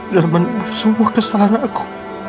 dan menembus semua kesalahan aku